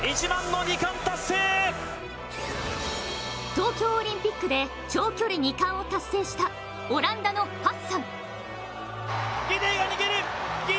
東京オリンピックで長距離２冠を達成したオランダのハッサン。